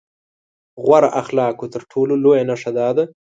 غوره اخلاقو تر ټولو لويه نښه دا ده.